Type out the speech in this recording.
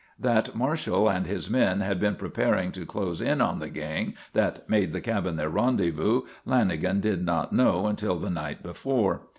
That Marshall and his men had been preparing to close in on the gang that made the cabin their rendezvous Lanagan did not know until the night before.